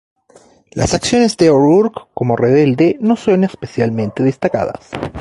Las acciones de O'Rourke como rebelde no son especialmente destacadas.